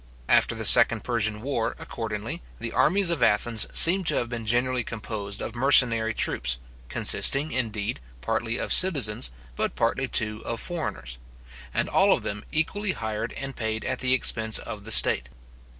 After the second Persian war, accordingly, the armies of Athens seem to have been generally composed of mercenary troops, consisting, indeed, partly of citizens, but partly, too, of foreigners; and all of them equally hired and paid at the expense of the state.